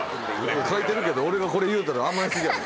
書いてるけど俺がこれ言うたら甘え過ぎやろ。